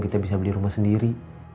kita bisa beli rumah sendiri